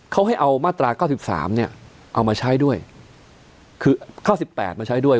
เขาให้เอามาตรา๙๓เอามาใช้ด้วยคือ๙๘มาใช้ด้วย